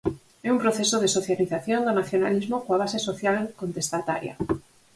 É un proceso de socialización do nacionalismo coa base social contestataria.